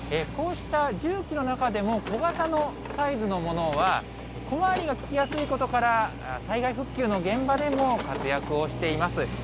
こうした重機の中でも、小型のサイズのものは、小回りが利きやすいことから、災害復旧の現場でも活躍をしています。